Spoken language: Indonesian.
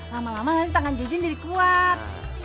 lama lama kan tangan jejen jadi kuat